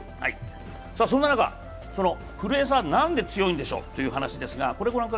そんな中、古江さん、何で強いんでしょうという話です。